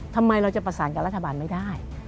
ทำไมเราจะประสานกับรัฐบาลไม่ได้